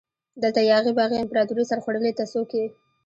دلته یاغي باغي امپراتوري سرخوړلي ته څوک يي؟